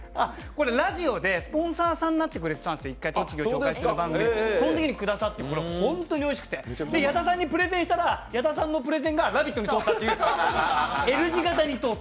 ラジオでスポンサーさんになってくれてたんです、栃木を紹介した番組で、そのときにくださったら本当においしくて矢田さんにプレゼンしたら、矢田さんのプレゼンが、「ラヴィット！」に通ったというＬ字型で通った。